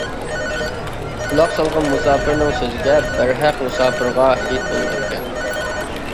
قۇلاق سالغىن مۇساپىرنىڭ سۆزىگە، بەرھەق مۇساپىرغا ھېيت بولمايدىكەن.